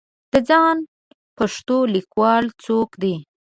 د ځان پېښو لیکوال څوک دی